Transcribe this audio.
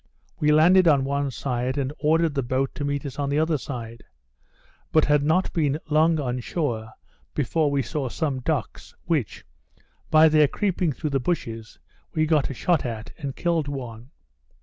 We landed on one side, and ordered the boat to meet us on the other side; but had not been long on shore before we saw some ducks, which, by their creeping through the bushes, we got a shot at, and killed one.